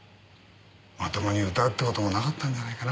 まともに歌うって事もなかったんじゃないかな。